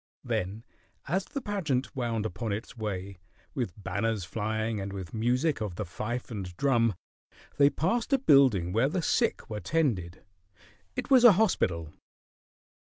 Then as the pageant wound upon its way, with banners flying and with music of the fife and drum, they passed a building where the sick were tended. It was a hospital.